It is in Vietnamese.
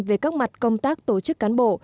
về các mặt công tác tổ chức cán bộ